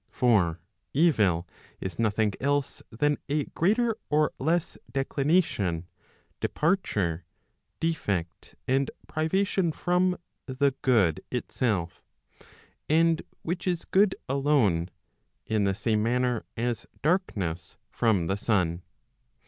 For evil is nothing else than a greater or less declination, departure, defect and privation from the good itself, and which is good alone, in the same manner as darkness from the sun.